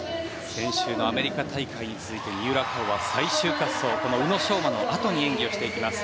先週のアメリカ大会に続いて三浦佳生は最終滑走、この宇野昌磨のあとに演技をしていきます。